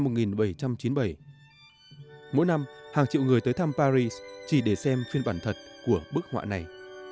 mỗi năm hàng triệu người tới thăm paris chỉ để xem phiên bản thật của bức họa này